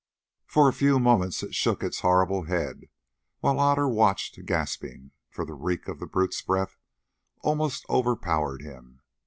For a few moments it shook its horrible head, while Otter watched gasping, for the reek of the brute's breath almost overpowered him.